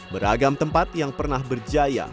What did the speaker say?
beragam tempat yang pernah berjaya